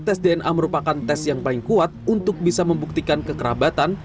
tes dna merupakan tes yang paling kuat untuk bisa membuktikan kekerabatan